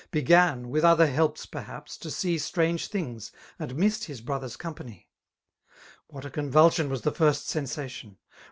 Began, with other helps peihaps» to see Strange things, and missed his brother's company* What a convulsion was the first sensation